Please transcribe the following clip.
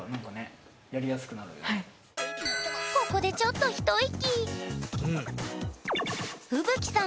ここでちょっとひと息何？